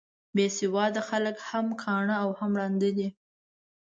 بې سواده خلک هم کاڼه او هم ړانده دي.